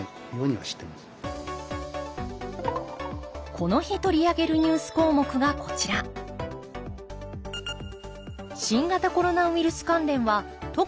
この日取り上げるニュース項目がこちら新型コロナウイルス関連は特に重要だと考え